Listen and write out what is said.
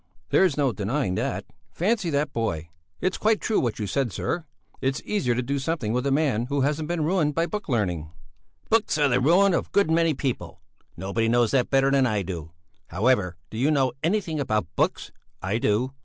"There's no denying that! Fancy, that boy! It's quite true what you said, sir. It's easier to do something with a man who hasn't been ruined by book learning." "Books are the ruin of a good many people. Nobody knows that better than I do. However, do you know anything about books? I do!